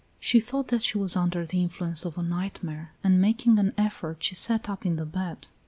She thought that she was under the influence of a nightmare, and making an effort she sat up in the bed.